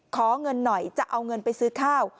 ขอเงินหน่อยจะเอาเงินไปซื้อข้าว